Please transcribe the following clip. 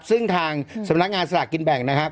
ซึ่งทางสำนักงานสลากกินแบ่งนะครับ